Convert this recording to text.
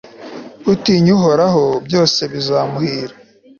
utinya uhoraho, byose bizamuhira